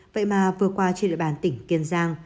vậy mà vừa qua trên địa bàn tỉnh kiên giang